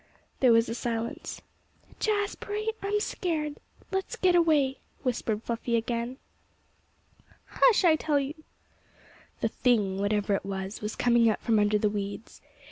There was a silence. "Jazbury, I'm scared. Let's get away," whispered Fluffy again. "Hush, I tell you!" The thing, whatever it was, was coming out from the weeds.